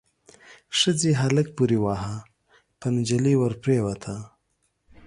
ښځې هلک پوري واهه، پر نجلۍ ور پريوته.